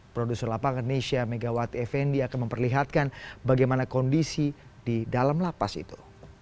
produser lapangan nesya megawati fnd akan memperlihatkan bagaimana kondisi di dalam lapas itu